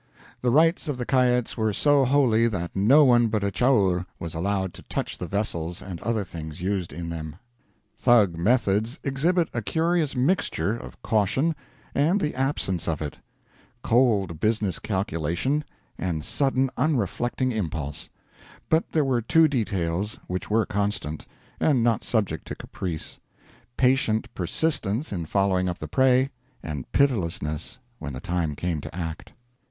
The rites of the Kaets were so holy that no one but the Chaur was allowed to touch the vessels and other things used in them. Thug methods exhibit a curious mixture of caution and the absence of it; cold business calculation and sudden, unreflecting impulse; but there were two details which were constant, and not subject to caprice: patient persistence in following up the prey, and pitilessness when the time came to act.